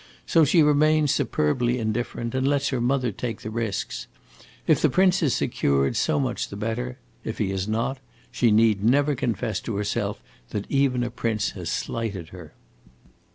So she remains superbly indifferent, and lets her mother take the risks. If the prince is secured, so much the better; if he is not, she need never confess to herself that even a prince has slighted her."